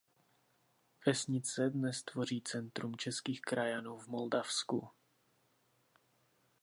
Vesnice dnes tvoří centrum českých krajanů v Moldavsku.